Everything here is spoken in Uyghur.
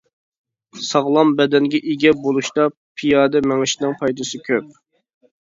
ساغلام بەدەنگە ئىگە بولۇشتا پىيادە مېڭىشنىڭ پايدىسى كۆپ.